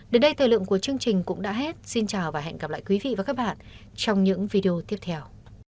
đến đây thời lượng của chương trình cũng đã hết xin chào và hẹn gặp lại quý vị và các bạn trong những video tiếp theo